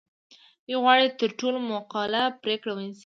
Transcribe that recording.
دوی غواړي تر ټولو معقوله پرېکړه ونیسي.